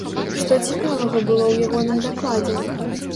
Што цікавага было ў ягоным дакладзе?